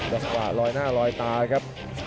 ลอยหน้าลอยตาครับ